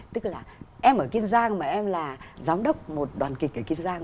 tức là em ở kiên giang mà em là giám đốc một đoàn kịch ở kiên giang